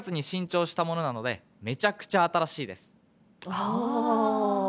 ああ！